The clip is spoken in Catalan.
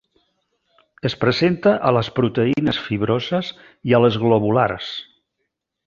Es presenta a les proteïnes fibroses i a les globulars.